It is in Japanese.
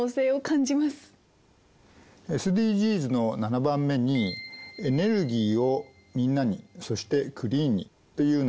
ＳＤＧｓの７番目に「エネルギーをみんなにそしてクリーンに」というのがあります。